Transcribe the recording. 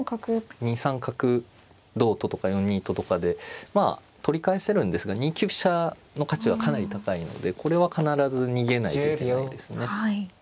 ２三角同ととか４二ととかでまあ取り返せるんですが２九飛車の価値はかなり高いのでこれは必ず逃げないといけないですね。